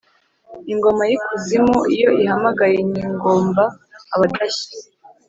Ingoma y’ikuzimu iyo ihamagaye ,nyigomba abadashye